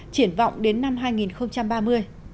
chuyển vọng đến năm hai nghìn ba mươi